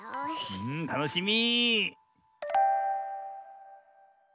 うんたのしみ。